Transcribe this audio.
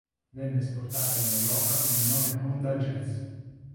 Venne esportata in Europa con il nome Honda Jazz.